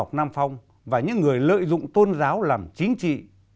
nói về linh mục nam phong và những người lợi dụng tôn giáo làm chính trị